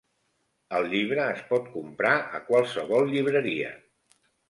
El llibre es pot comprar a qualsevol llibreria.